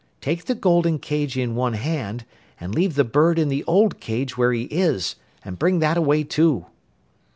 Take the golden cage in one hand, and leave the bird in the old cage where he is, and bring that away too.